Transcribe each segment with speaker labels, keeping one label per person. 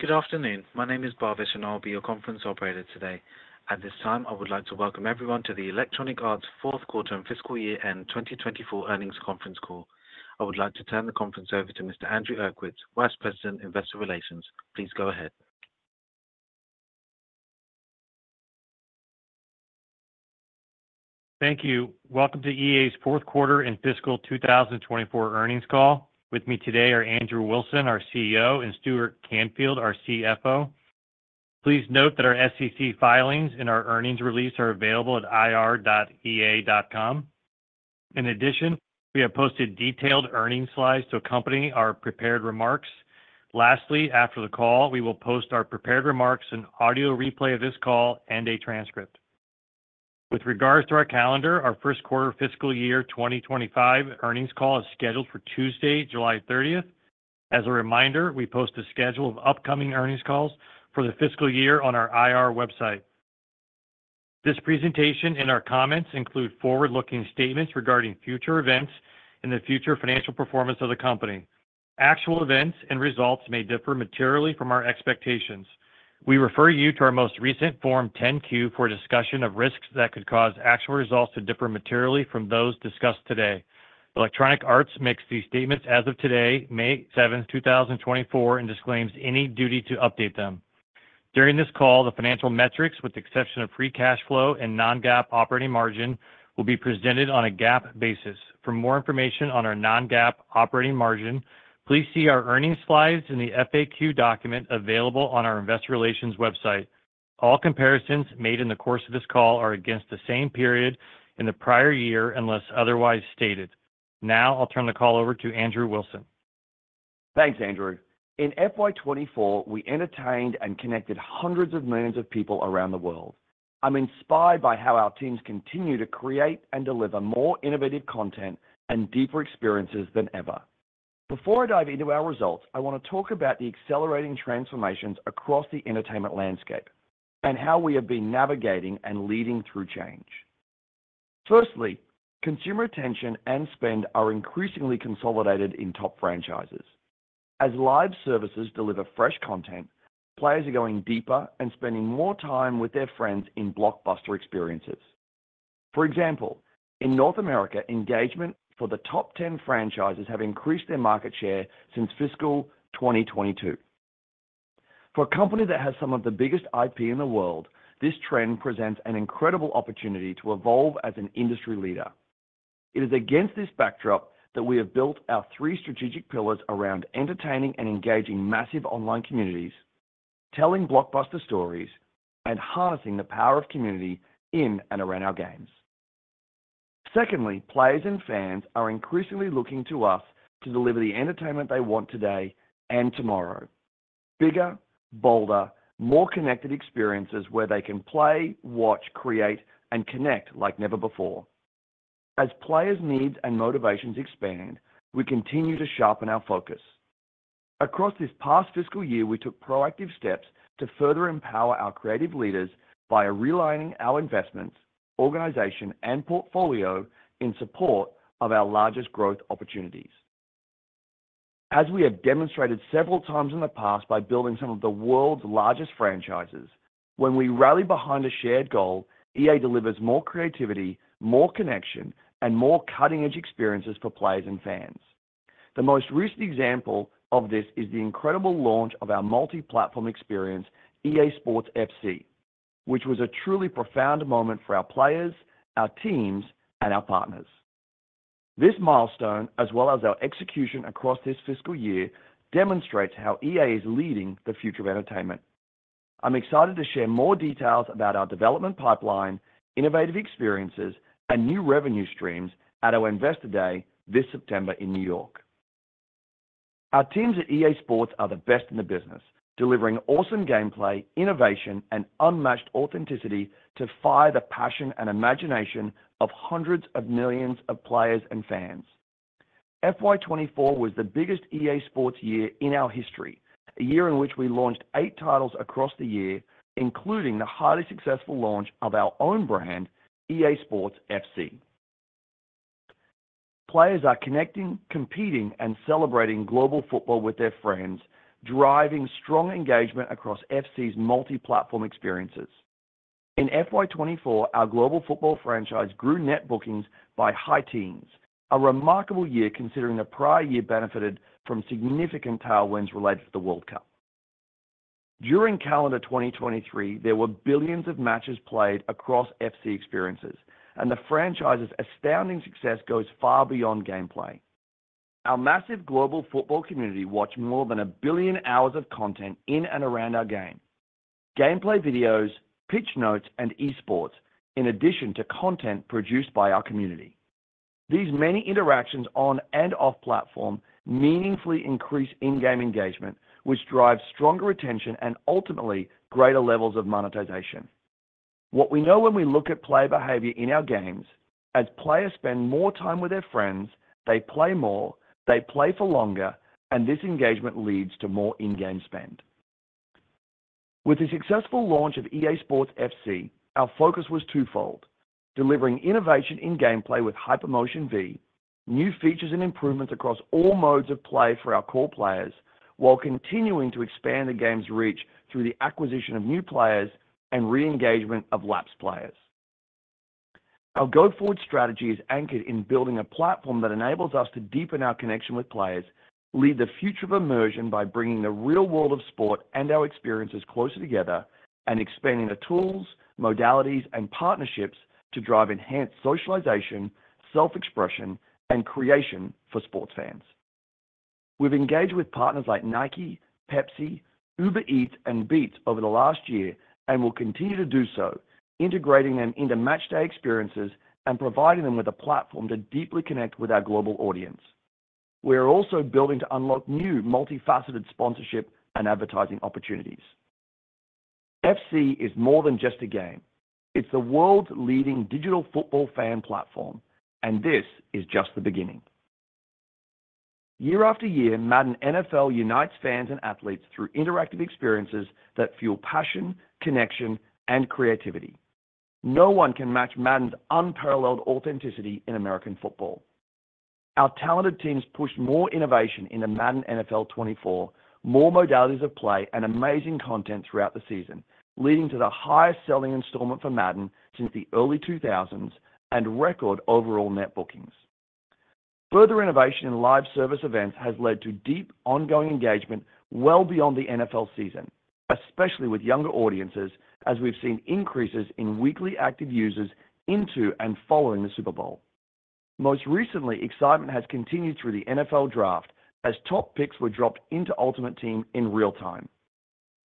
Speaker 1: Good afternoon. My name is Barvish and I'll be your conference operator today. At this time, I would like to welcome everyone to the Electronic Arts fourth quarter and fiscal year-end 2024 earnings conference call. I would like to turn the conference over to Mr. Andrew Uerkwitz, Vice President, Investor Relations. Please go ahead.
Speaker 2: Thank you. Welcome to EA's fourth quarter and fiscal 2024 earnings call. With me today are Andrew Wilson, our CEO, and Stuart Canfield, our CFO. Please note that our SEC filings and our earnings release are available at ir.ea.com. In addition, we have posted detailed earnings slides to accompany our prepared remarks. Lastly, after the call, we will post our prepared remarks, an audio replay of this call, and a transcript. With regards to our calendar, our first quarter fiscal year 2025 earnings call is scheduled for Tuesday, July 30th. As a reminder, we post a schedule of upcoming earnings calls for the fiscal year on our IR website. This presentation and our comments include forward-looking statements regarding future events and the future financial performance of the company. Actual events and results may differ materially from our expectations. We refer you to our most recent Form 10-Q for a discussion of risks that could cause actual results to differ materially from those discussed today. Electronic Arts makes these statements as of today, May 7th, 2024, and disclaims any duty to update them. During this call, the financial metrics, with the exception of free cash flow and non-GAAP operating margin, will be presented on a GAAP basis. For more information on our non-GAAP operating margin, please see our earnings slides in the FAQ document available on our investor relations website. All comparisons made in the course of this call are against the same period in the prior year unless otherwise stated. Now I'll turn the call over to Andrew Wilson.
Speaker 3: Thanks, Andrew. In FY 2024, we entertained and connected hundreds of millions of people around the world. I'm inspired by how our teams continue to create and deliver more innovative content and deeper experiences than ever. Before I dive into our results, I want to talk about the accelerating transformations across the entertainment landscape and how we have been navigating and leading through change. Firstly, consumer attention and spend are increasingly consolidated in top franchises. As live services deliver fresh content, players are going deeper and spending more time with their friends in blockbuster experiences. For example, in North America, engagement for the top 10 franchises has increased their market share since fiscal 2022. For a company that has some of the biggest IP in the world, this trend presents an incredible opportunity to evolve as an industry leader. It is against this backdrop that we have built our three strategic pillars around entertaining and engaging massive online communities, telling blockbuster stories, and harnessing the power of community in and around our games. Secondly, players and fans are increasingly looking to us to deliver the entertainment they want today and tomorrow: bigger, bolder, more connected experiences where they can play, watch, create, and connect like never before. As players' needs and motivations expand, we continue to sharpen our focus. Across this past fiscal year, we took proactive steps to further empower our creative leaders by realigning our investments, organization, and portfolio in support of our largest growth opportunities. As we have demonstrated several times in the past by building some of the world's largest franchises, when we rally behind a shared goal, EA delivers more creativity, more connection, and more cutting-edge experiences for players and fans. The most recent example of this is the incredible launch of our multi-platform experience, EA SPORTS FC, which was a truly profound moment for our players, our teams, and our partners. This milestone, as well as our execution across this fiscal year, demonstrates how EA is leading the future of entertainment. I'm excited to share more details about our development pipeline, innovative experiences, and new revenue streams at our Investor Day this September in New York. Our teams at EA SPORTS are the best in the business, delivering awesome gameplay, innovation, and unmatched authenticity to fire the passion and imagination of hundreds of millions of players and fans. FY 2024 was the biggest EA SPORTS year in our history, a year in which we launched eight titles across the year, including the highly successful launch of our own brand, EA SPORTS FC. Players are connecting, competing, and celebrating global football with their friends, driving strong engagement across FC's multi-platform experiences. In FY 2024, our global football franchise grew net bookings by high teens, a remarkable year considering the prior year benefited from significant tailwinds related to the World Cup. During calendar 2023, there were billions of matches played across FC experiences, and the franchise's astounding success goes far beyond gameplay. Our massive global football community watched more than a billion hours of content in and around our game: gameplay videos, Pitch Notes, and esports, in addition to content produced by our community. These many interactions on and off-platform meaningfully increase in-game engagement, which drives stronger retention and ultimately greater levels of monetization. What we know when we look at player behavior in our games: as players spend more time with their friends, they play more, they play for longer, and this engagement leads to more in-game spend. With the successful launch of EA SPORTS FC, our focus was twofold: delivering innovation in gameplay with HyperMotionV, new features and improvements across all modes of play for our core players, while continuing to expand the game's reach through the acquisition of new players and re-engagement of lapsed players. Our go-forward strategy is anchored in building a platform that enables us to deepen our connection with players, lead the future of immersion by bringing the real world of sport and our experiences closer together, and expanding the tools, modalities, and partnerships to drive enhanced socialization, self-expression, and creation for sports fans. We've engaged with partners like Nike, Pepsi, Uber Eats, and Beats over the last year and will continue to do so, integrating them into matchday experiences and providing them with a platform to deeply connect with our global audience. We are also building to unlock new multifaceted sponsorship and advertising opportunities. FC is more than just a game; it's the world's leading digital football fan platform, and this is just the beginning. Year-after-year, Madden NFL unites fans and athletes through interactive experiences that fuel passion, connection, and creativity. No one can match Madden's unparalleled authenticity in American football. Our talented teams push more innovation into Madden NFL 24, more modalities of play, and amazing content throughout the season, leading to the highest-selling installment for Madden since the early 2000s and record overall net bookings. Further innovation in live service events has led to deep, ongoing engagement well beyond the NFL season, especially with younger audiences as we've seen increases in weekly active users into and following the Super Bowl. Most recently, excitement has continued through the NFL Draft as top picks were dropped into Ultimate Team in real time.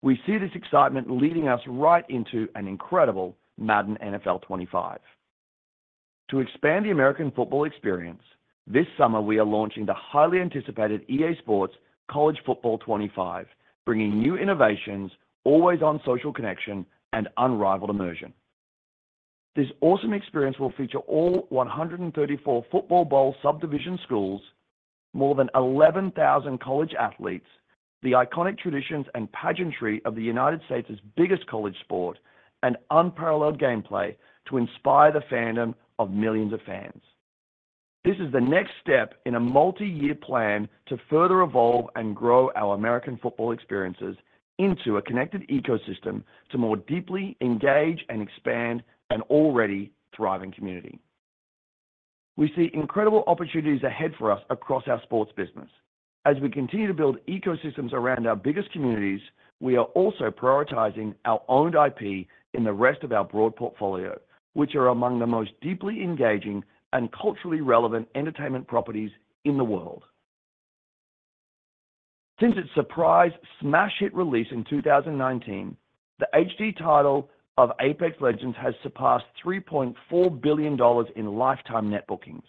Speaker 3: We see this excitement leading us right into an incredible Madden NFL 25. To expand the American football experience, this summer we are launching the highly anticipated EA SPORTS College Football 25, bringing new innovations, always-on social connection, and unrivaled immersion. This awesome experience will feature all 134 Football Bowl Subdivision schools, more than 11,000 college athletes, the iconic traditions and pageantry of the United States' biggest college sport, and unparalleled gameplay to inspire the fandom of millions of fans. This is the next step in a multi-year plan to further evolve and grow our American football experiences into a connected ecosystem to more deeply engage and expand an already thriving community. We see incredible opportunities ahead for us across our sports business. As we continue to build ecosystems around our biggest communities, we are also prioritizing our owned IP in the rest of our broad portfolio, which are among the most deeply engaging and culturally relevant entertainment properties in the world. Since its surprise smash hit release in 2019, the hit title of Apex Legends has surpassed $3.4 billion in lifetime net bookings.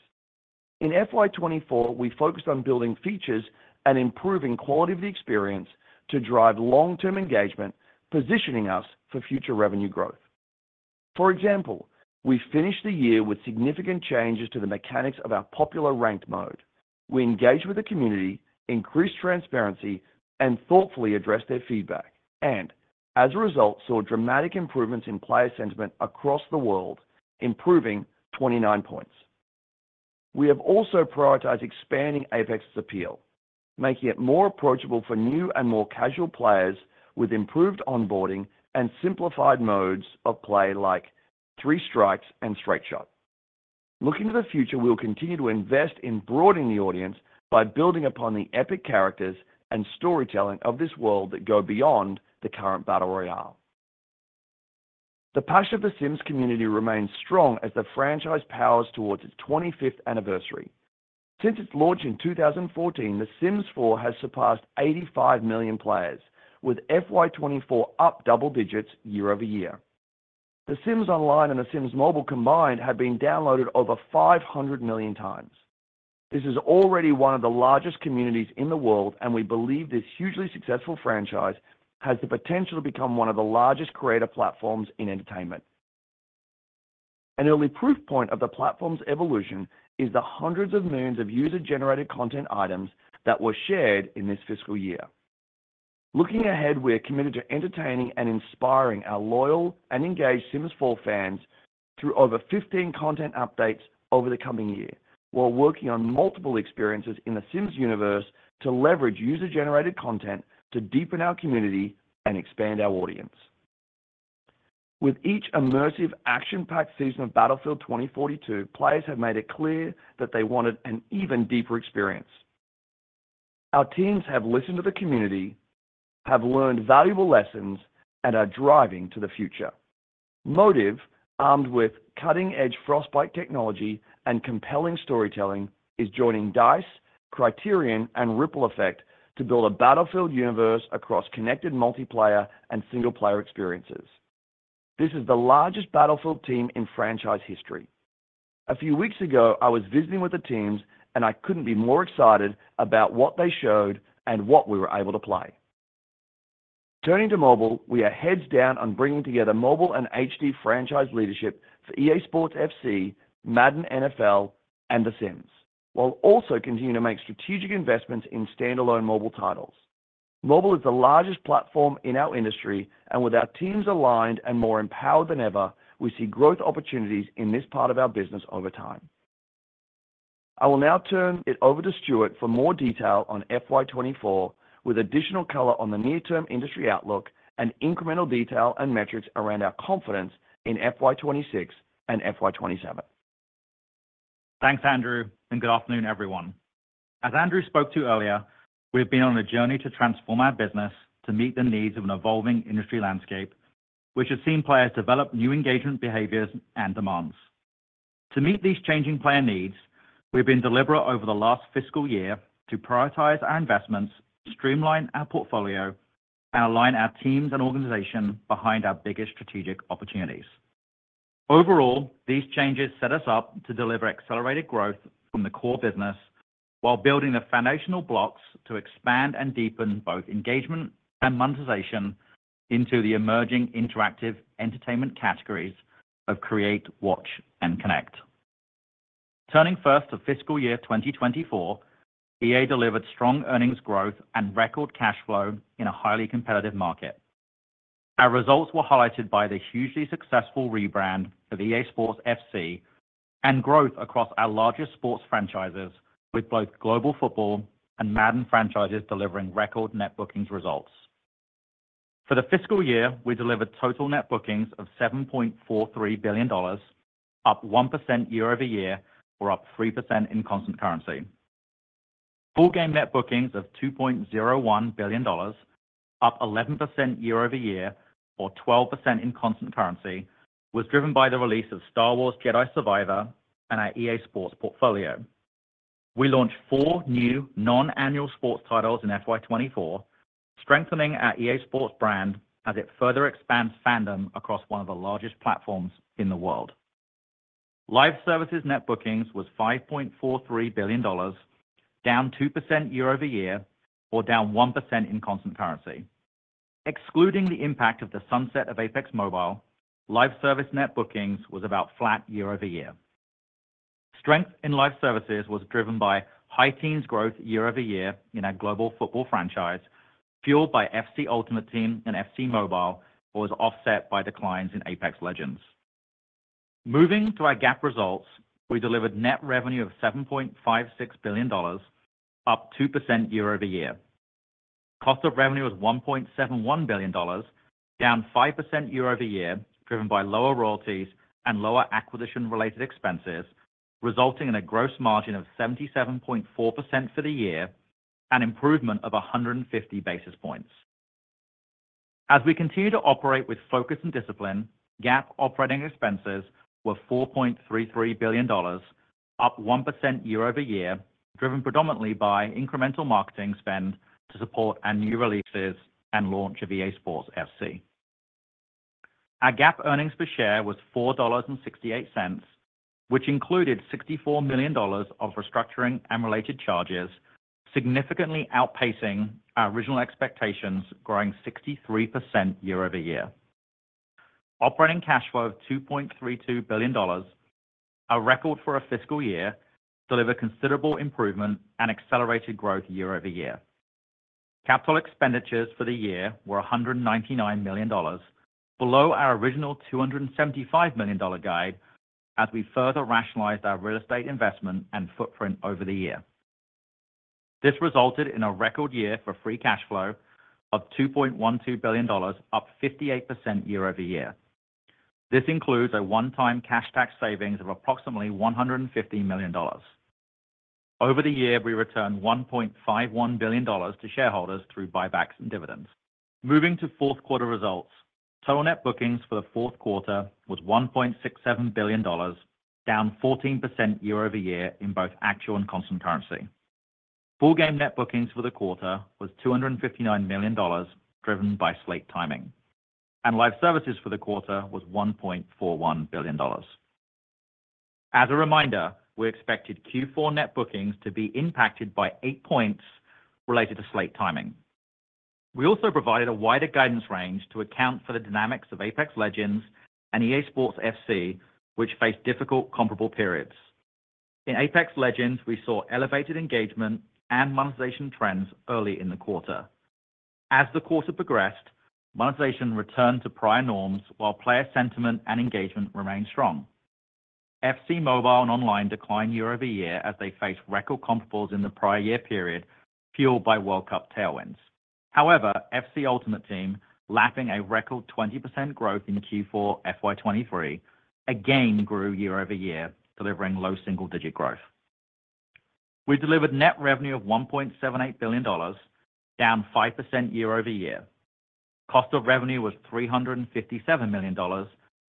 Speaker 3: In FY 2024, we focused on building features and improving quality of the experience to drive long-term engagement, positioning us for future revenue growth. For example, we finished the year with significant changes to the mechanics of our popular ranked mode. We engaged with the community, increased transparency, and thoughtfully addressed their feedback, and as a result, saw dramatic improvements in player sentiment across the world, improving 29 points. We have also prioritized expanding Apex's appeal, making it more approachable for new and more casual players with improved onboarding and simplified modes of play like Three Strikes and Straight Shot. Looking to the future, we'll continue to invest in broadening the audience by building upon the epic characters and storytelling of this world that go beyond the current battle royale. The passion of The Sims community remains strong as the franchise powers towards its 25th anniversary. Since its launch in 2014, The Sims 4 has surpassed 85 million players, with FY 2024 up double digits year-over-year. The Sims Online and The Sims Mobile combined have been downloaded over 500 million times. This is already one of the largest communities in the world, and we believe this hugely successful franchise has the potential to become one of the largest creator platforms in entertainment. An early proof point of the platform's evolution is the hundreds of millions of user-generated content items that were shared in this fiscal year. Looking ahead, we are committed to entertaining and inspiring our loyal and engaged Sims 4 fans through over 15 content updates over the coming year, while working on multiple experiences in The Sims universe to leverage user-generated content to deepen our community and expand our audience. With each immersive, action-packed season of Battlefield 2042, players have made it clear that they wanted an even deeper experience. Our teams have listened to the community, have learned valuable lessons, and are driving to the future. Motive, armed with cutting-edge Frostbite technology and compelling storytelling, is joining DICE, Criterion, and Ripple Effect to build a Battlefield universe across connected multiplayer and single-player experiences. This is the largest Battlefield team in franchise history. A few weeks ago, I was visiting with the teams, and I couldn't be more excited about what they showed and what we were able to play. Turning to mobile, we are heads down on bringing together mobile and HD franchise leadership for EA SPORTS FC, Madden NFL, and The Sims, while also continuing to make strategic investments in standalone mobile titles. Mobile is the largest platform in our industry, and with our teams aligned and more empowered than ever, we see growth opportunities in this part of our business over time. I will now turn it over to Stuart for more detail on FY 2024, with additional color on the near-term industry outlook and incremental detail and metrics around our confidence in FY 2026 and FY 2027.
Speaker 4: Thanks, Andrew, and good afternoon, everyone. As Andrew spoke to earlier, we have been on a journey to transform our business to meet the needs of an evolving industry landscape, which has seen players develop new engagement behaviors and demands. To meet these changing player needs, we have been deliberate over the last fiscal year to prioritize our investments, streamline our portfolio, and align our teams and organization behind our biggest strategic opportunities. Overall, these changes set us up to deliver accelerated growth from the core business while building the foundational blocks to expand and deepen both engagement and monetization into the emerging interactive entertainment categories of create, watch, and connect. Turning first to fiscal year 2024, EA delivered strong earnings growth and record cash flow in a highly competitive market. Our results were highlighted by the hugely successful rebrand of EA SPORTS FC and growth across our largest sports franchises, with both global football and Madden franchises delivering record net bookings results. For the fiscal year, we delivered total net bookings of $7.43 billion, up 1% year-over-year or up 3% in constant currency. Full game net bookings of $2.01 billion, up 11% year-over-year or 12% in constant currency, were driven by the release of Star Wars Jedi: Survivor and our EA SPORTS portfolio. We launched four new non-annual sports titles in FY 2024, strengthening our EA SPORTS brand as it further expands fandom across one of the largest platforms in the world. Live services net bookings were $5.43 billion, down 2% year-over-year or down 1% in constant currency. Excluding the impact of the sunset of Apex Mobile, live service net bookings were about flat year-over-year. Strength in live services was driven by high teens growth year-over-year in our global football franchise, fueled by FC Ultimate Team and FC Mobile, but was offset by declines in Apex Legends. Moving to our GAAP results, we delivered net revenue of $7.56 billion, up 2% year-over-year. Cost of revenue was $1.71 billion, down 5% year-over-year, driven by lower royalties and lower acquisition-related expenses, resulting in a gross margin of 77.4% for the year and improvement of 150 basis points. As we continue to operate with focus and discipline, GAAP operating expenses were $4.33 billion, up 1% year-over-year, driven predominantly by incremental marketing spend to support our new releases and launch of EA SPORTS FC. Our GAAP earnings per share were $4.68, which included $64 million of restructuring and related charges, significantly outpacing our original expectations, growing 63% year-over-year. Operating cash flow of $2.32 billion, a record for a fiscal year, delivered considerable improvement and accelerated growth year-over-year. Capital expenditures for the year were $199 million, below our original $275 million guide as we further rationalized our real estate investment and footprint over the year. This resulted in a record year for free cash flow of $2.12 billion, up 58% year-over-year. This includes a one-time cash tax savings of approximately $150 million. Over the year, we returned $1.51 billion to shareholders through buybacks and dividends. Moving to fourth quarter results, total net bookings for the fourth quarter were $1.67 billion, down 14% year-over-year in both actual and constant currency. Full game net bookings for the quarter were $259 million, driven by slate timing, and live services for the quarter were $1.41 billion. As a reminder, we expected Q4 net bookings to be impacted by 8 points related to slate timing. We also provided a wider guidance range to account for the dynamics of Apex Legends and EA Sports FC, which faced difficult comparable periods. In Apex Legends, we saw elevated engagement and monetization trends early in the quarter. As the quarter progressed, monetization returned to prior norms while player sentiment and engagement remained strong. FC Mobile and Online declined year-over-year as they faced record comparables in the prior year period, fueled by World Cup tailwinds. However, FC Ultimate Team, lacking a record 20% growth in Q4 FY 2023, again grew year-over-year, delivering low single-digit growth. We delivered net revenue of $1.78 billion, down 5% year-over-year. Cost of revenue was $357 million,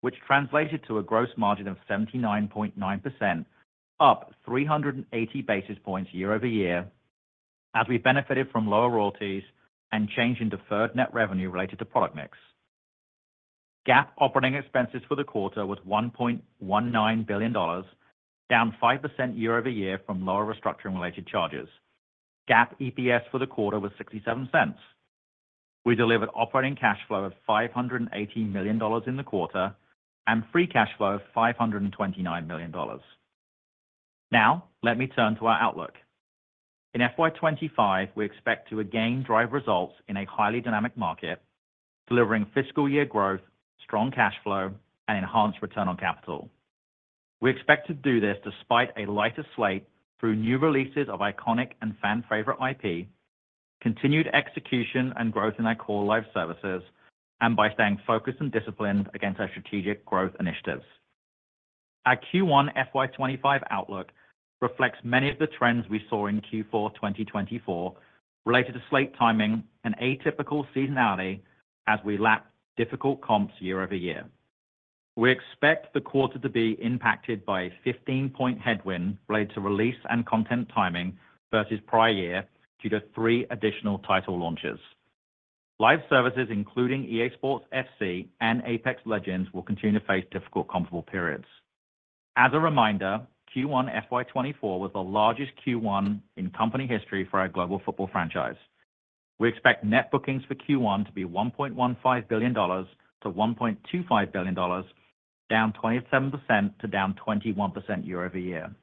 Speaker 4: which translated to a gross margin of 79.9%, up 380 basis points year-over-year, as we benefited from lower royalties and change in deferred net revenue related to product mix. GAAP operating expenses for the quarter were $1.19 billion, down 5% year-over-year from lower restructuring-related charges. GAAP EPS for the quarter was $0.67. We delivered operating cash flow of $580 million in the quarter and free cash flow of $529 million. Now, let me turn to our outlook. In FY 2025, we expect to again drive results in a highly dynamic market, delivering fiscal year growth, strong cash flow, and enhanced return on capital. We expect to do this despite a lighter slate through new releases of iconic and fan-favorite IP, continued execution and growth in our core live services, and by staying focused and disciplined against our strategic growth initiatives. Our Q1 FY 2025 outlook reflects many of the trends we saw in Q4 2024 related to slate timing and atypical seasonality as we lap difficult comps year-over-year. We expect the quarter to be impacted by a 15-point headwind related to release and content timing versus prior year due to three additional title launches. Live services, including EA SPORTS FC and Apex Legends, will continue to face difficult comparable periods. As a reminder, Q1 FY 2024 was the largest Q1 in company history for our global football franchise. We expect net bookings for Q1 to be $1.15 billion-$1.25 billion, down 27% to down 21% year-over-year.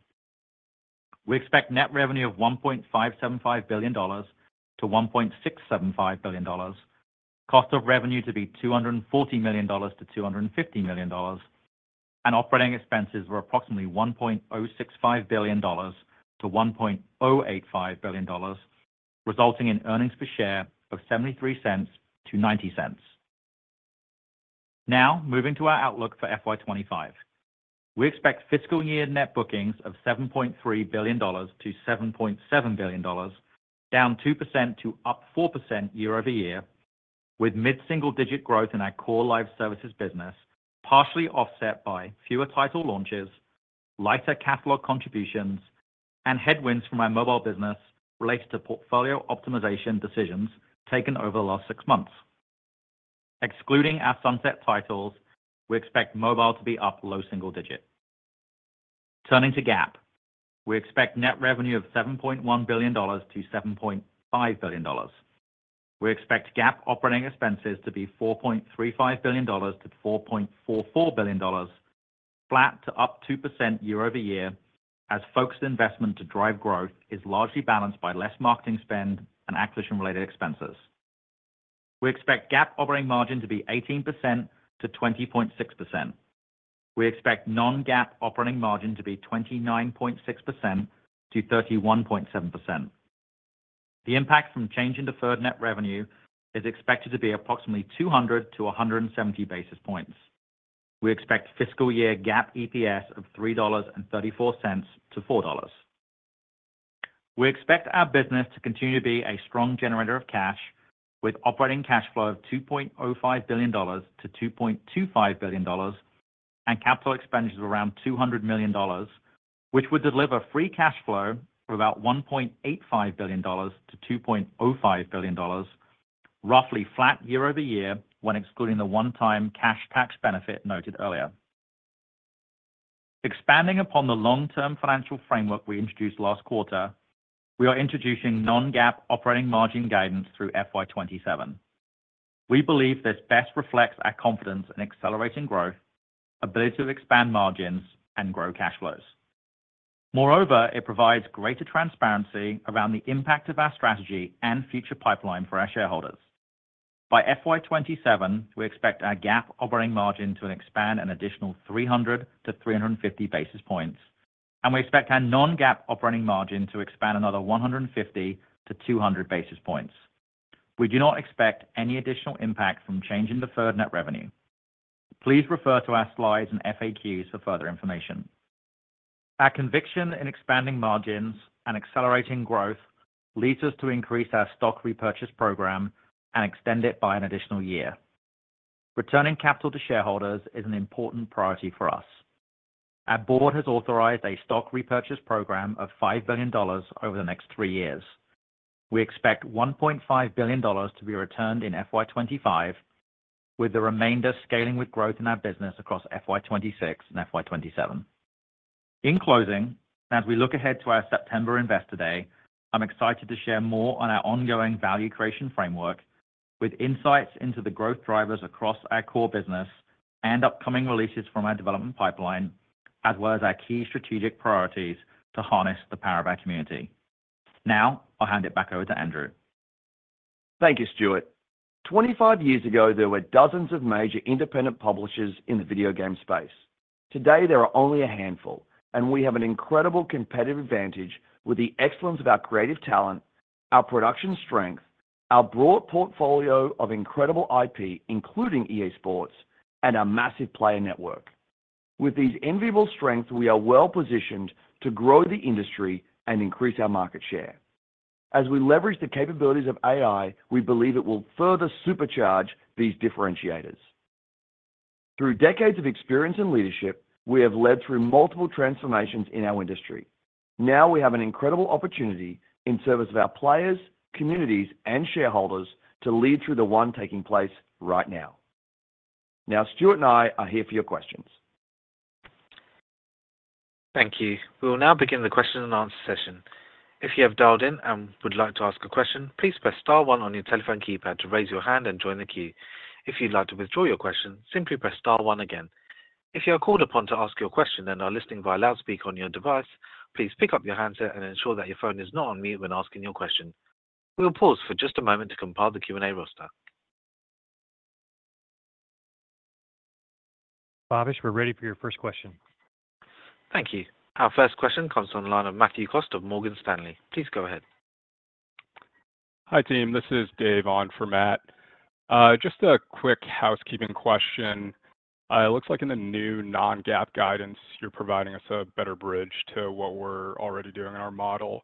Speaker 4: We expect net revenue of $1.575 billion-$1.675 billion, cost of revenue to be $240 million-$250 million, and operating expenses were approximately $1.065 billion-$1.085 billion, resulting in earnings per share of $0.73-$0.90. Now, moving to our outlook for FY 2025, we expect fiscal year net bookings of $7.3 billion-$7.7 billion, down 2% to up 4% year-over-year, with mid-single-digit growth in our core live services business partially offset by fewer title launches, lighter catalog contributions, and headwinds from our mobile business related to portfolio optimization decisions taken over the last six months. Excluding our sunset titles, we expect mobile to be up low-single-digit. Turning to GAAP, we expect net revenue of $7.1 billion-$7.5 billion. We expect GAAP operating expenses to be $4.35 billion-$4.44 billion, flat to up 2% year-over-year as focused investment to drive growth is largely balanced by less marketing spend and acquisition-related expenses. We expect GAAP operating margin to be 18%-20.6%. We expect non-GAAP operating margin to be 29.6%-31.7%. The impact from change in deferred net revenue is expected to be approximately 200-170 basis points. We expect fiscal year GAAP EPS of $3.34-$4. We expect our business to continue to be a strong generator of cash, with operating cash flow of $2.05 billion-$2.25 billion and capital expenditures around $200 million, which would deliver free cash flow of about $1.85 billion-$2.05 billion, roughly flat year-over-year when excluding the one-time cash tax benefit noted earlier. Expanding upon the long-term financial framework we introduced last quarter, we are introducing non-GAAP operating margin guidance through FY 2027. We believe this best reflects our confidence in accelerating growth, ability to expand margins, and grow cash flows. Moreover, it provides greater transparency around the impact of our strategy and future pipeline for our shareholders. By FY 2027, we expect our GAAP operating margin to expand an additional 300-350 basis points, and we expect our non-GAAP operating margin to expand another 150-200 basis points. We do not expect any additional impact from change in deferred net revenue. Please refer to our slides and FAQs for further information. Our conviction in expanding margins and accelerating growth leads us to increase our stock repurchase program and extend it by an additional year. Returning capital to shareholders is an important priority for us. Our board has authorized a stock repurchase program of $5 billion over the next three years. We expect $1.5 billion to be returned in FY 2025, with the remainder scaling with growth in our business across FY 2026 and FY 2027. In closing, as we look ahead to our September Investor Day, I'm excited to share more on our ongoing value creation framework with insights into the growth drivers across our core business and upcoming releases from our development pipeline, as well as our key strategic priorities to harness the power of our community. Now, I'll hand it back over to Andrew.
Speaker 3: Thank you, Stuart. 25 years ago, there were dozens of major independent publishers in the video game space. Today, there are only a handful, and we have an incredible competitive advantage with the excellence of our creative talent, our production strength, our broad portfolio of incredible IP, including EA SPORTS, and our massive player network. With these enviable strengths, we are well positioned to grow the industry and increase our market share. As we leverage the capabilities of AI, we believe it will further supercharge these differentiators. Through decades of experience and leadership, we have led through multiple transformations in our industry. Now, we have an incredible opportunity in service of our players, communities, and shareholders to lead through the one taking place right now. Now, Stuart and I are here for your questions.
Speaker 1: Thank you. We will now begin the question and answer session. If you have dialed in and would like to ask a question, please press star one on your telephone keypad to raise your hand and join the queue. If you'd like to withdraw your question, simply press star one again. If you are called upon to ask your question and are listening via loudspeaker on your device, please pick up your handset and ensure that your phone is not on mute when asking your question. We will pause for just a moment to compile the Q&A roster.
Speaker 5: Barvish, we're ready for your first question.
Speaker 1: Thank you. Our first question comes from the line of Matthew Cost of Morgan Stanley. Please go ahead.
Speaker 6: Hi, team. This is Dave on for Matt. Just a quick housekeeping question. It looks like in the new non-GAAP guidance, you're providing us a better bridge to what we're already doing in our model.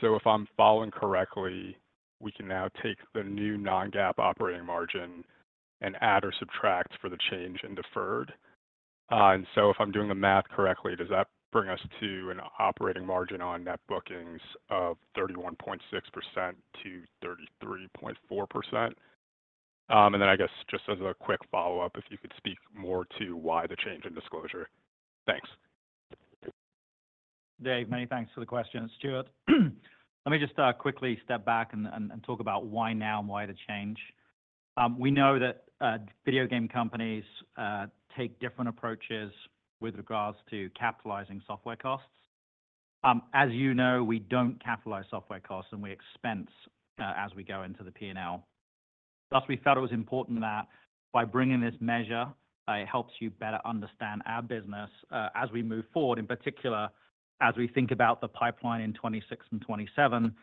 Speaker 6: So if I'm following correctly, we can now take the new non-GAAP operating margin and add or subtract for the change in deferred. And so if I'm doing the math correctly, does that bring us to an operating margin on net bookings of 31.6%-33.4%? And then I guess just as a quick follow-up, if you could speak more to why the change in disclosure? Thanks.
Speaker 4: Dave, many thanks for the question, Stuart. Let me just quickly step back and talk about why now and why the change. We know that video game companies take different approaches with regards to capitalizing software costs. As you know, we don't capitalize software costs, and we expense as we go into the P&L. Thus, we felt it was important that by bringing this measure, it helps you better understand our business as we move forward, in particular as we think about the pipeline in 2026 and 2027,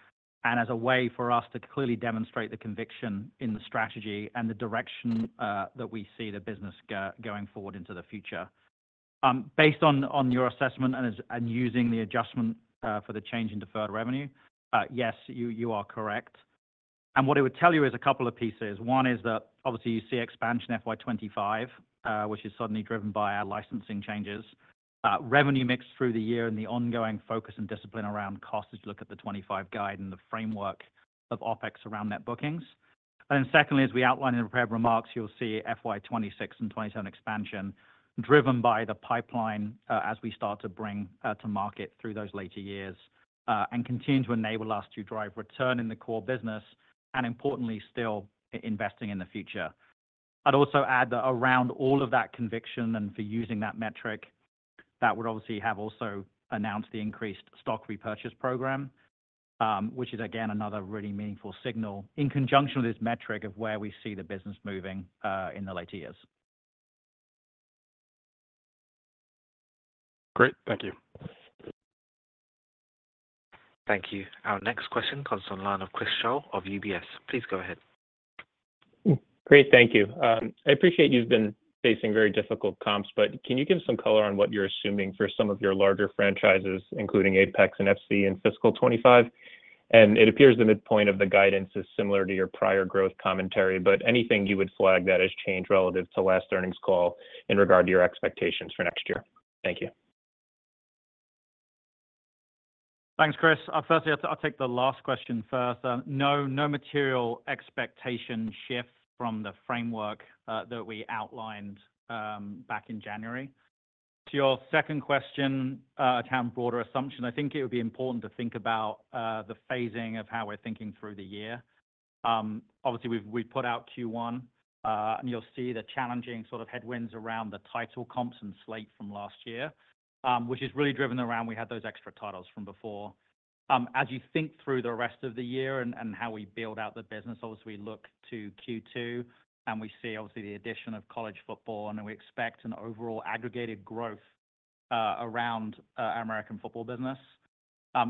Speaker 4: and as a way for us to clearly demonstrate the conviction in the strategy and the direction that we see the business going forward into the future. Based on your assessment and using the adjustment for the change in deferred revenue, yes, you are correct. And what it would tell you is a couple of pieces. One is that obviously you see expansion FY 2025, which is suddenly driven by our licensing changes, revenue mix through the year, and the ongoing focus and discipline around cost as you look at the 2025 guide and the framework of OpEx around net bookings. And then secondly, as we outline in the prepared remarks, you'll see FY 2026 and 2027 expansion driven by the pipeline as we start to bring to market through those later years and continue to enable us to drive return in the core business and, importantly, still investing in the future. I'd also add that around all of that conviction and for using that metric, that would obviously have also announced the increased stock repurchase program, which is, again, another really meaningful signal in conjunction with this metric of where we see the business moving in the later years.
Speaker 6: Great. Thank you.
Speaker 1: Thank you. Our next question comes from the line of Chris Schoell of UBS. Please go ahead.
Speaker 7: Great. Thank you. I appreciate you've been facing very difficult comps, but can you give some color on what you're assuming for some of your larger franchises, including Apex and FC in fiscal 2025? It appears the midpoint of the guidance is similar to your prior growth commentary, but anything you would flag that has changed relative to last earnings call in regard to your expectations for next year? Thank you.
Speaker 4: Thanks, Chris. Firstly, I'll take the last question first. No, no material expectation shift from the framework that we outlined back in January. To your second question, a ton broader assumption, I think it would be important to think about the phasing of how we're thinking through the year. Obviously, we've put out Q1, and you'll see the challenging sort of headwinds around the title comps and slate from last year, which is really driven around we had those extra titles from before. As you think through the rest of the year and how we build out the business, obviously, we look to Q2, and we see obviously the addition of college football, and then we expect an overall aggregated growth around our American football business.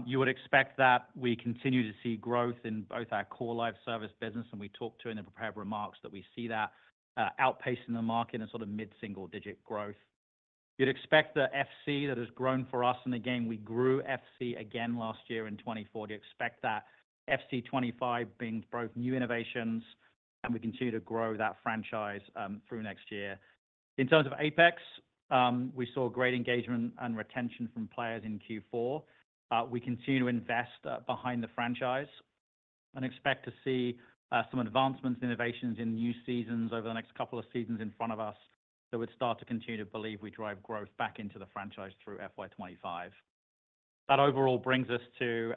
Speaker 4: You would expect that we continue to see growth in both our core live service business, and we talked to in the prepared remarks that we see that outpacing the market in sort of mid-single-digit growth. You'd expect the FC that has grown for us, and again, we grew FC again last year in 2024. You expect that FC 2025 being both new innovations, and we continue to grow that franchise through next year. In terms of Apex, we saw great engagement and retention from players in Q4. We continue to invest behind the franchise and expect to see some advancements and innovations in new seasons over the next couple of seasons in front of us that would start to continue to believe we drive growth back into the franchise through FY 2025. That overall brings us to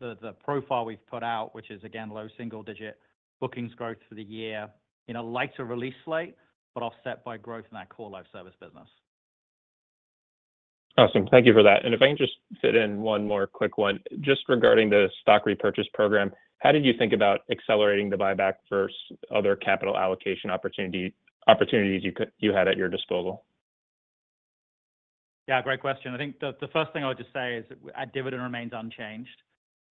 Speaker 4: the profile we've put out, which is, again, low single-digit bookings growth for the year in a lighter release slate but offset by growth in our core live service business.
Speaker 8: Awesome. Thank you for that. If I can just fit in one more quick one, just regarding the stock repurchase program, how did you think about accelerating the buyback for other capital allocation opportunities you had at your disposal?
Speaker 4: Yeah, great question. I think the first thing I would just say is our dividend remains unchanged.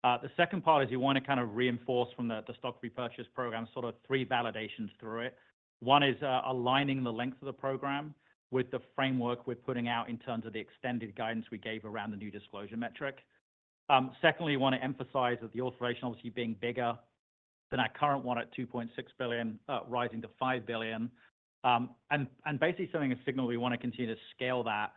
Speaker 4: The second part is you want to kind of reinforce from the stock repurchase program sort of three validations through it. One is aligning the length of the program with the framework we're putting out in terms of the extended guidance we gave around the new disclosure metric. Secondly, you want to emphasize that the authorization, obviously, being bigger than our current one at $2.6 billion, rising to $5 billion, and basically sending a signal we want to continue to scale that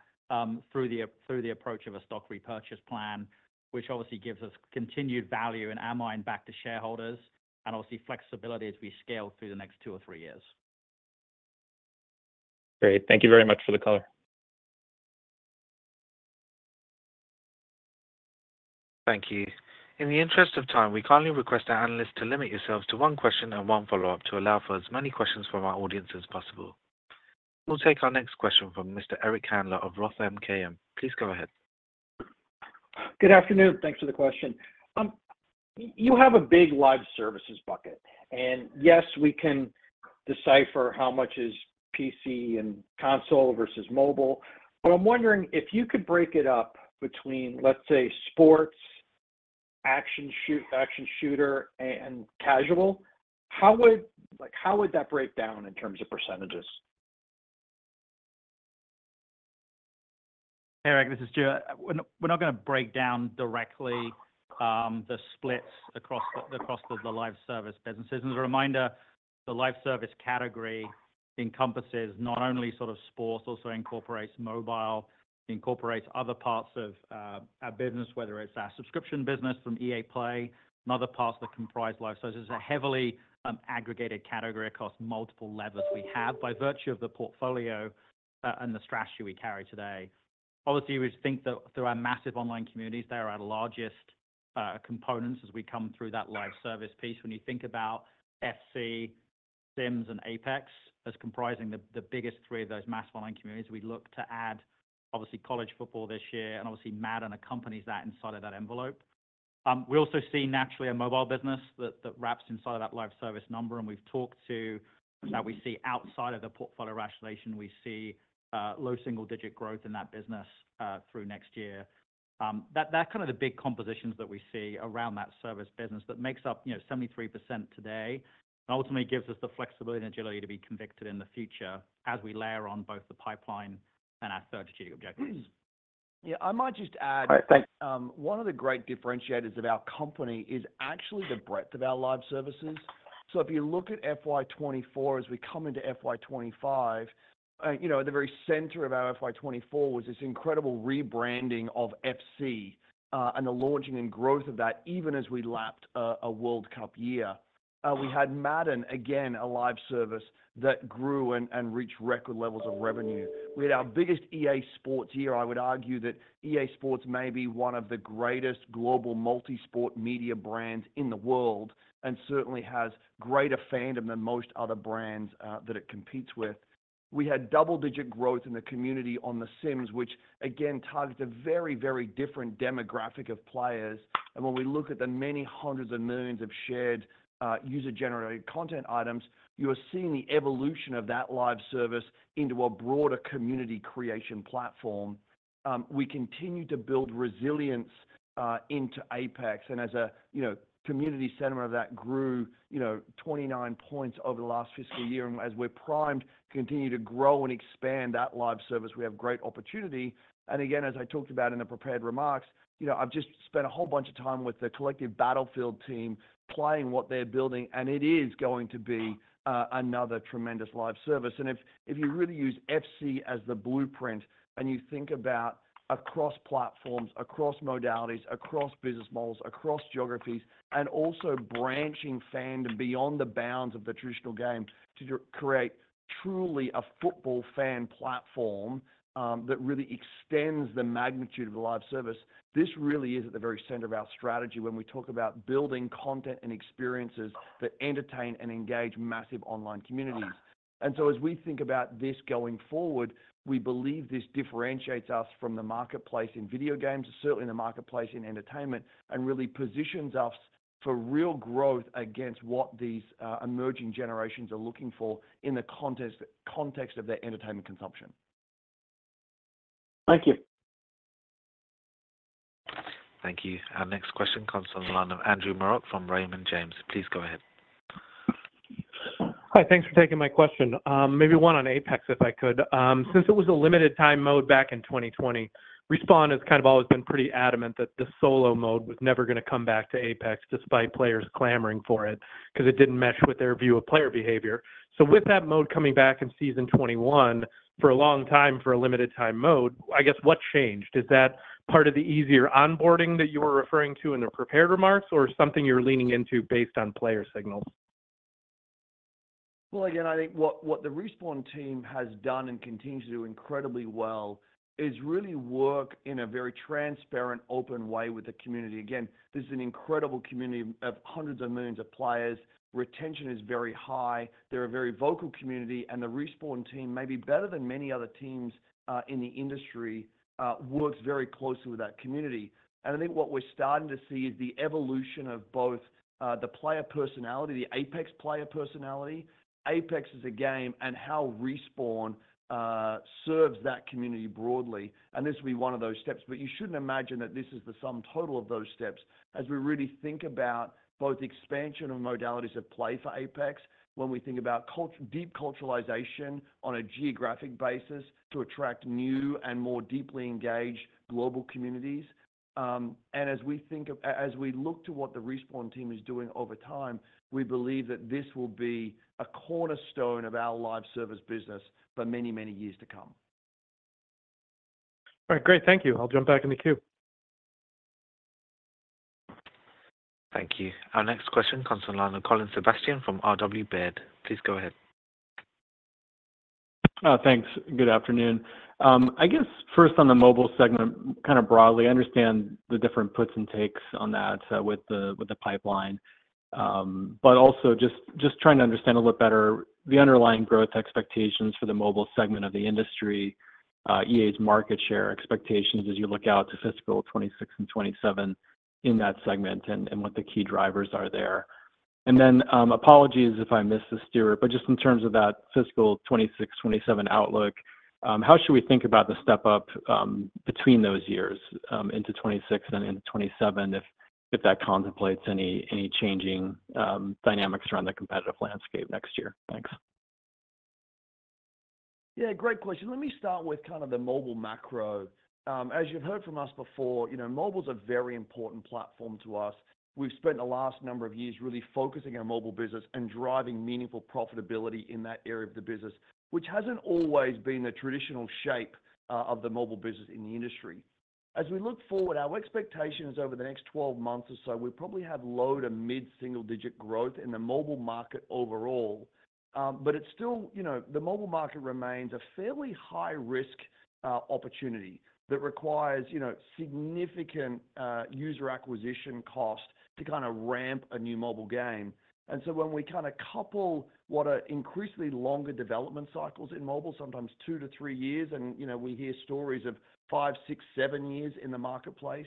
Speaker 4: through the approach of a stock repurchase plan, which obviously gives us continued value and amount back to shareholders and obviously flexibility as we scale through the next two or three years.
Speaker 7: Great. Thank you very much for the color.
Speaker 1: Thank you. In the interest of time, we kindly request our analysts to limit yourselves to one question and one follow-up to allow for as many questions from our audience as possible. We'll take our next question from Mr. Eric Handler of Roth MKM. Please go ahead.
Speaker 9: Good afternoon. Thanks for the question. You have a big live services bucket, and yes, we can decipher how much is PC and console versus mobile, but I'm wondering if you could break it up between, let's say, sports, action shooter, and casual, how would that break down in terms of percentages?
Speaker 4: Eric, this is Stuart. We're not going to break down directly the splits across the live service businesses. As a reminder, the live service category encompasses not only sort of sports, also incorporates mobile, incorporates other parts of our business, whether it's our subscription business from EA Play and other parts that comprise live services. It's a heavily aggregated category across multiple levers we have by virtue of the portfolio and the strategy we carry today. Obviously, we think that through our massive online communities, they are our largest components as we come through that live service piece. When you think about FC, Sims, and Apex as comprising the biggest three of those massive online communities, we look to add, obviously, college football this year and obviously Madden accompanies that inside of that envelope. We also see, naturally, a mobile business that wraps inside of that live service number, and we've talked to that we see outside of the portfolio rationalization, we see low single-digit growth in that business through next year. They're kind of the big components that we see around that service business that makes up 73% today and ultimately gives us the flexibility and agility to be convicted in the future as we layer on both the pipeline and our third strategic objectives.
Speaker 3: Yeah, I might just add.
Speaker 9: All right, thanks.
Speaker 3: One of the great differentiators of our company is actually the breadth of our live services. So if you look at FY 2024 as we come into FY 2025, at the very center of our FY 2024 was this incredible rebranding of FC and the launching and growth of that even as we lapped a World Cup year. We had Madden, again, a live service that grew and reached record levels of revenue. We had our biggest EA SPORTS year. I would argue that EA SPORTS may be one of the greatest global multi-sport media brands in the world and certainly has greater fandom than most other brands that it competes with. We had double-digit growth in the community on The Sims, which, again, targets a very, very different demographic of players. When we look at the many hundreds of millions of shared user-generated content items, you are seeing the evolution of that live service into a broader community creation platform. We continue to build resilience into Apex, and as a community center of that grew 29 points over the last fiscal year, and as we're primed to continue to grow and expand that live service, we have great opportunity. Again, as I talked about in the prepared remarks, I've just spent a whole bunch of time with the collective Battlefield team playing what they're building, and it is going to be another tremendous live service. If you really use FC as the blueprint and you think about across platforms, across modalities, across business models, across geographies, and also branching fandom beyond the bounds of the traditional game to create truly a football fan platform that really extends the magnitude of the live service, this really is at the very center of our strategy when we talk about building content and experiences that entertain and engage massive online communities. And so as we think about this going forward, we believe this differentiates us from the marketplace in video games, certainly the marketplace in entertainment, and really positions us for real growth against what these emerging generations are looking for in the context of their entertainment consumption.
Speaker 9: Thank you.
Speaker 1: Thank you. Our next question comes from the line of Andrew Marok from Raymond James. Please go ahead.
Speaker 10: Hi, thanks for taking my question. Maybe one on Apex, if I could. Since it was a limited-time mode back in 2020, Respawn has kind of always been pretty adamant that the solo mode was never going to come back to Apex despite players clamoring for it because it didn't mesh with their view of player behavior. So with that mode coming back in season 21 for a long time for a limited-time mode, I guess what changed? Is that part of the easier onboarding that you were referring to in the prepared remarks, or is it something you're leaning into based on player signals?
Speaker 3: Well, again, I think what the Respawn team has done and continues to do incredibly well is really work in a very transparent, open way with the community. Again, this is an incredible community of hundreds of millions of players. Retention is very high. They're a very vocal community, and the Respawn team, maybe better than many other teams in the industry, works very closely with that community. And I think what we're starting to see is the evolution of both the player personality, the Apex player personality, Apex as a game, and how Respawn serves that community broadly. This will be one of those steps, but you shouldn't imagine that this is the sum total of those steps as we really think about both expansion and modalities of play for Apex when we think about deep culturalization on a geographic basis to attract new and more deeply engaged global communities. And as we look to what the Respawn team is doing over time, we believe that this will be a cornerstone of our live service business for many, many years to come.
Speaker 10: All right, great. Thank you. I'll jump back in the queue.
Speaker 1: Thank you. Our next question comes from the line of Colin Sebastian from RW Baird. Please go ahead.
Speaker 11: Thanks. Good afternoon. I guess first, on the mobile segment, kind of broadly, I understand the different puts and takes on that with the pipeline, but also just trying to understand a little better the underlying growth expectations for the mobile segment of the industry, EA's market share expectations as you look out to fiscal 2026 and 2027 in that segment, and what the key drivers are there. Then apologies if I missed the Stuart, but just in terms of that fiscal 2026, 2027 outlook, how should we think about the step-up between those years into 2026 and into 2027 if that contemplates any changing dynamics around the competitive landscape next year? Thanks.
Speaker 3: Yeah, great question. Let me start with kind of the mobile macro. As you've heard from us before, mobile is a very important platform to us. We've spent the last number of years really focusing on mobile business and driving meaningful profitability in that area of the business, which hasn't always been the traditional shape of the mobile business in the industry. As we look forward, our expectation is over the next 12 months or so, we probably have low- to mid-single-digit growth in the mobile market overall, but the mobile market remains a fairly high-risk opportunity that requires significant user acquisition cost to kind of ramp a new mobile game. When we kind of couple what are increasingly longer development cycles in mobile, sometimes 2-3 years, and we hear stories of five, six, seven years in the marketplace,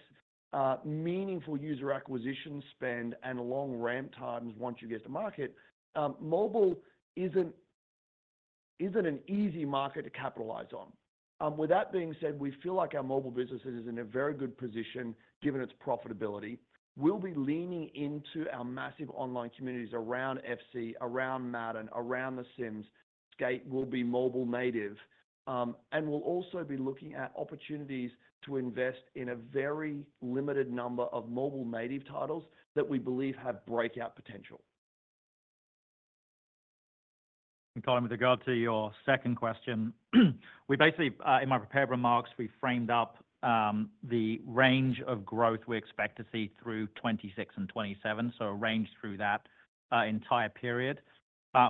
Speaker 3: meaningful user acquisition spend and long ramp times once you get to market, mobile isn't an easy market to capitalize on. With that being said, we feel like our mobile business is in a very good position given its profitability. We'll be leaning into our massive online communities around FC, around Madden, around The Sims. Skate will be mobile-native, and we'll also be looking at opportunities to invest in a very limited number of mobile-native titles that we believe have breakout potential.
Speaker 4: Colin, with regard to your second question, in my prepared remarks, we framed up the range of growth we expect to see through 2026 and 2027, so a range through that entire period.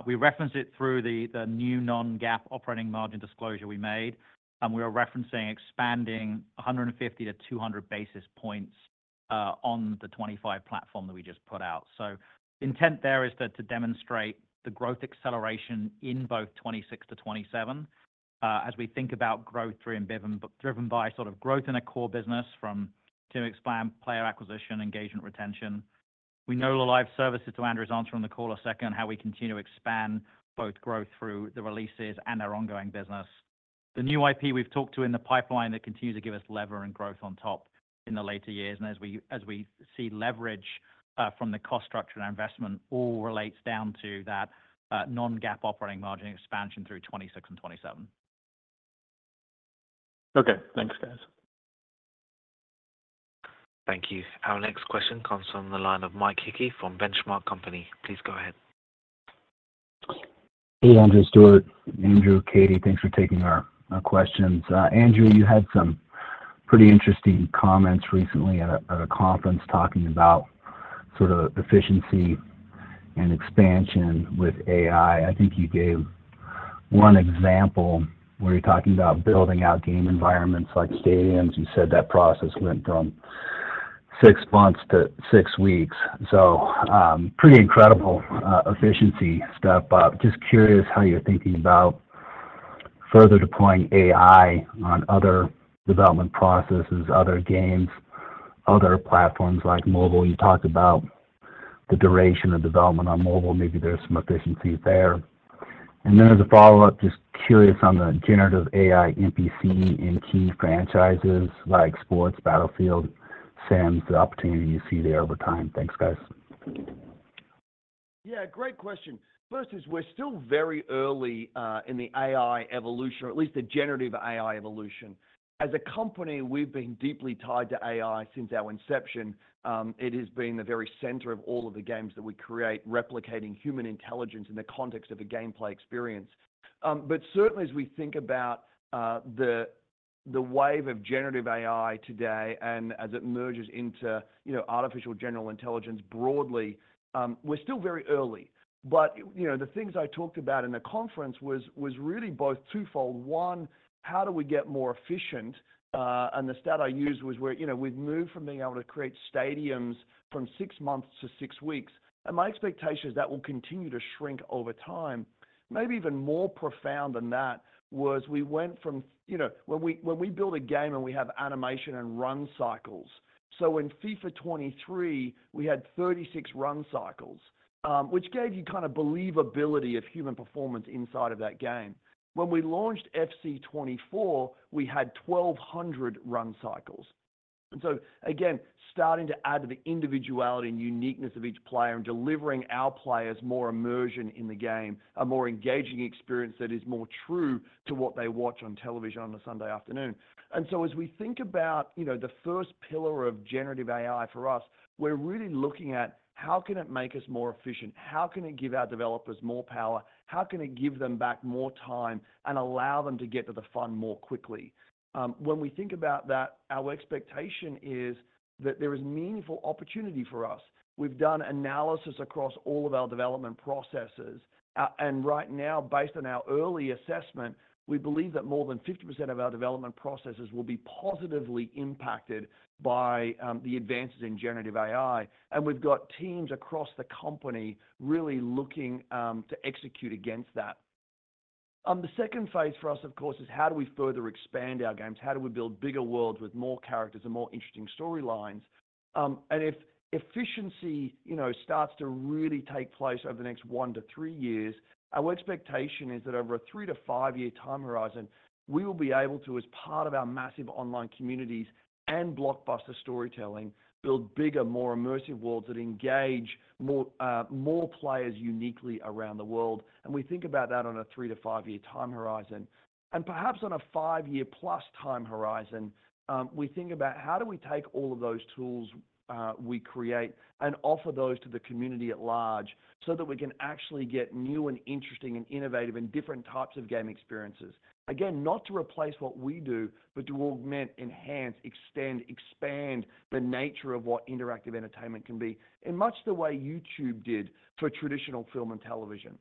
Speaker 4: We referenced it through the new non-GAAP operating margin disclosure we made. We are referencing expanding 150-200 basis points on the 2025 platform that we just put out. So intent there is to demonstrate the growth acceleration in both 2026-2027 as we think about growth driven by sort of growth in our core business from team expand, player acquisition, engagement, retention. We know the live services to Andrew's answer on the call a second and how we continue to expand both growth through the releases and our ongoing business. The new IP we've talked to in the pipeline that continues to give us leverage and growth on top in the later years, and as we see leverage from the cost structure and investment, all relates down to that non-GAAP operating margin expansion through 2026 and 2027.
Speaker 11: Okay, thanks, guys.
Speaker 1: Thank you. Our next question comes from the line of Mike Hickey from Benchmark Company. Please go ahead.
Speaker 12: Hey, Andrew, Stuart. Andrew, Katie, thanks for taking our questions. Andrew, you had some pretty interesting comments recently at a conference talking about sort of efficiency and expansion with AI. I think you gave one example where you're talking about building out game environments like stadiums. You said that process went from six months to six weeks. So pretty incredible efficiency step-up. Just curious how you're thinking about further deploying AI on other development processes, other games, other platforms like mobile. You talked about the duration of development on mobile. Maybe there's some efficiencies there. And then as a follow-up, just curious on the generative AI NPC in key franchises like sports, Battlefield, Sims, the opportunity you see there over time? Thanks, guys.
Speaker 3: Yeah, great question. First is we're still very early in the AI evolution, or at least the generative AI evolution. As a company, we've been deeply tied to AI since our inception. It has been the very center of all of the games that we create, replicating human intelligence in the context of a gameplay experience. But certainly, as we think about the wave of generative AI today and as it merges into artificial general intelligence broadly, we're still very early. But the things I talked about in the conference were really both twofold. One, how do we get more efficient, and the stat I used was where we've moved from being able to create stadiums from six months to six weeks, and my expectation is that will continue to shrink over time. Maybe even more profound than that was we went from when we build a game and we have animation and run cycles. So in FIFA 23, we had 36 run cycles, which gave you kind of believability of human performance inside of that game. When we launched FC 24, we had 1,200 run cycles. And so again, starting to add to the individuality and uniqueness of each player and delivering our players more immersion in the game, a more engaging experience that is more true to what they watch on television on a Sunday afternoon. And so as we think about the first pillar of generative AI for us, we're really looking at how can it make us more efficient? How can it give our developers more power? How can it give them back more time and allow them to get to the fun more quickly? When we think about that, our expectation is that there is meaningful opportunity for us. We've done analysis across all of our development processes, and right now, based on our early assessment, we believe that more than 50% of our development processes will be positively impacted by the advances in generative AI. We've got teams across the company really looking to execute against that. The second phase for us, of course, is how do we further expand our games? How do we build bigger worlds with more characters and more interesting storylines? If efficiency starts to really take place over the next 1-3 years, our expectation is that over a 3-5 year time horizon, we will be able to, as part of our massive online communities and blockbuster storytelling, build bigger, more immersive worlds that engage more players uniquely around the world. We think about that on a 3-5 year time horizon. And perhaps on a five year plus time horizon, we think about how do we take all of those tools we create and offer those to the community at large so that we can actually get new and interesting and innovative and different types of game experiences. Again, not to replace what we do, but to augment, enhance, extend, expand the nature of what interactive entertainment can be in much the way YouTube did for traditional film and television.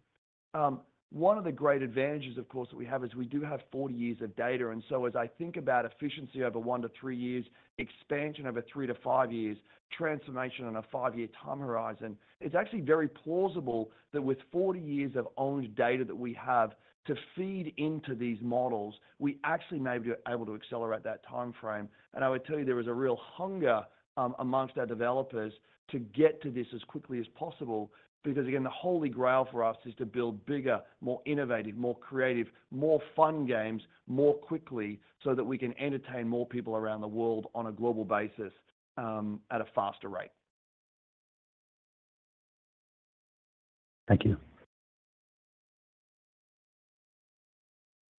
Speaker 3: One of the great advantages, of course, that we have is we do have 40 years of data. As I think about efficiency over 1-3 years, expansion over 3-5 years, transformation on a five year time horizon, it's actually very plausible that with 40 years of owned data that we have to feed into these models, we actually may be able to accelerate that timeframe. And I would tell you there was a real hunger amongst our developers to get to this as quickly as possible because, again, the holy grail for us is to build bigger, more innovative, more creative, more fun games more quickly so that we can entertain more people around the world on a global basis at a faster rate.
Speaker 12: Thank you.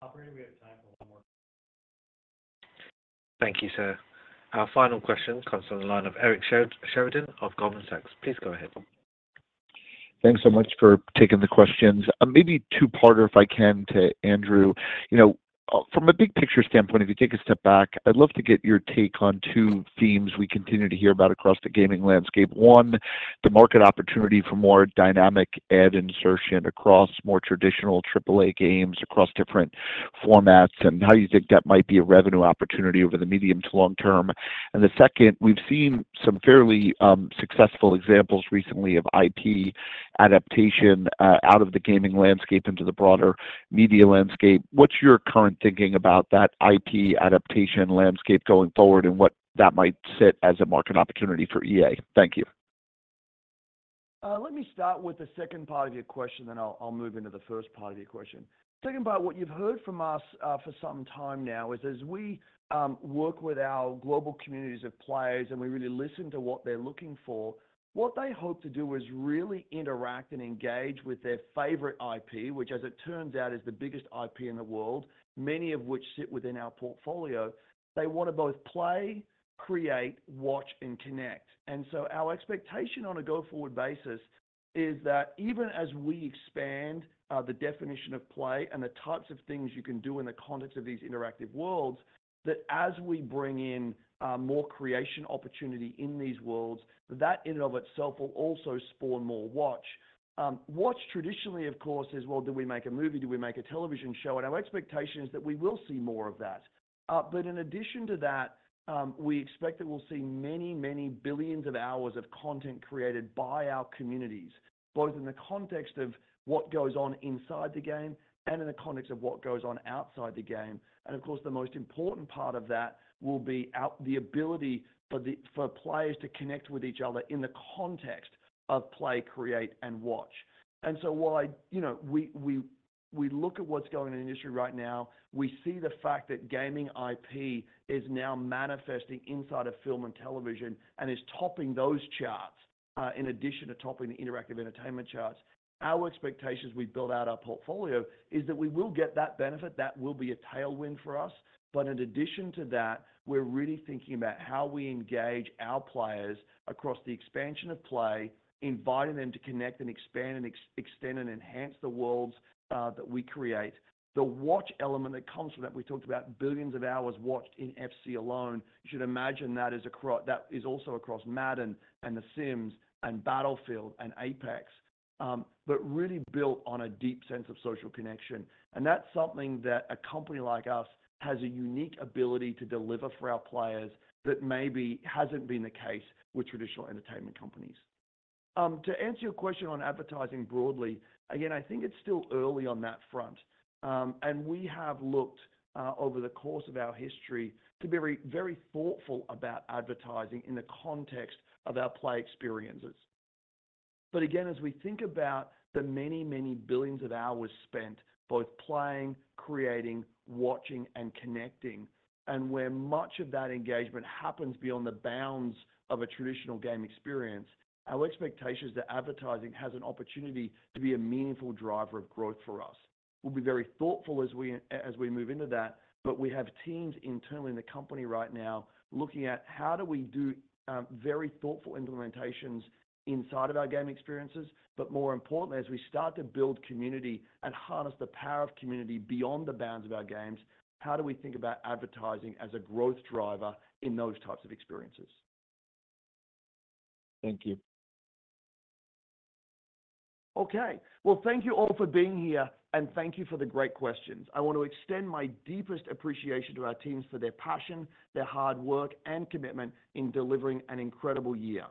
Speaker 5: Operator, we have time for one more.
Speaker 1: Thank you, sir. Our final question comes from the line of Eric Sheridan of Goldman Sachs. Please go ahead.
Speaker 13: Thanks so much for taking the questions. Maybe two-parter, if I can, to Andrew. From a big picture standpoint, if you take a step back, I'd love to get your take on two themes we continue to hear about across the gaming landscape. One, the market opportunity for more dynamic ad insertion across more traditional AAA games, across different formats, and how you think that might be a revenue opportunity over the medium to long term. And the second, we've seen some fairly successful examples recently of IP adaptation out of the gaming landscape into the broader media landscape. What's your current thinking about that IP adaptation landscape going forward and what that might sit as a market opportunity for EA? Thank you.
Speaker 3: Let me start with the second part of your question, then I'll move into the first part of your question. The second part, what you've heard from us for some time now is as we work with our global communities of players and we really listen to what they're looking for, what they hope to do is really interact and engage with their favorite IP, which, as it turns out, is the biggest IP in the world, many of which sit within our portfolio. They want to both play, create, watch, and connect. And so our expectation on a go-forward basis is that even as we expand the definition of play and the types of things you can do in the context of these interactive worlds, that as we bring in more creation opportunity in these worlds, that in and of itself will also spawn more watch. Watch traditionally, of course, is, well, do we make a movie? Do we make a television show? And our expectation is that we will see more of that. But in addition to that, we expect that we'll see many, many billions of hours of content created by our communities, both in the context of what goes on inside the game and in the context of what goes on outside the game. And of course, the most important part of that will be the ability for players to connect with each other in the context of play, create, and watch. While we look at what's going on in the industry right now, we see the fact that gaming IP is now manifesting inside of film and television and is topping those charts in addition to topping the interactive entertainment charts, our expectations we've built out our portfolio is that we will get that benefit. That will be a tailwind for us. But in addition to that, we're really thinking about how we engage our players across the expansion of play, inviting them to connect and expand and extend and enhance the worlds that we create. The watch element that comes from that, we talked about billions of hours watched in FC alone. You should imagine that is also across Madden, The Sims, Battlefield, and Apex, but really built on a deep sense of social connection. That's something that a company like us has a unique ability to deliver for our players that maybe hasn't been the case with traditional entertainment companies. To answer your question on advertising broadly, again, I think it's still early on that front. We have looked over the course of our history to be very thoughtful about advertising in the context of our play experiences. Again, as we think about the many, many billions of hours spent both playing, creating, watching, and connecting, and where much of that engagement happens beyond the bounds of a traditional game experience, our expectation is that advertising has an opportunity to be a meaningful driver of growth for us. We'll be very thoughtful as we move into that, but we have teams internally in the company right now looking at how do we do very thoughtful implementations inside of our game experiences. More importantly, as we start to build community and harness the power of community beyond the bounds of our games, how do we think about advertising as a growth driver in those types of experiences.
Speaker 13: Thank you.
Speaker 3: Okay, well, thank you all for being here, and thank you for the great questions. I want to extend my deepest appreciation to our teams for their passion, their hard work, and commitment in delivering an incredible year.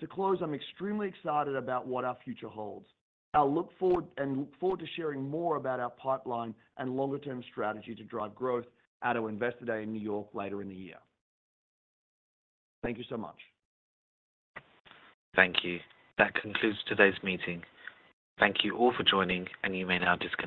Speaker 3: To close, I'm extremely excited about what our future holds. I look forward to sharing more about our pipeline and longer-term strategy to drive growth at our Investor Day in New York later in the year. Thank you so much.
Speaker 1: Thank you. That concludes today's meeting. Thank you all for joining, and you may now disconnect.